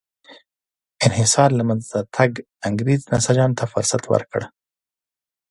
انحصار له منځه تګ انګرېز نساجانو ته فرصت ورکړ.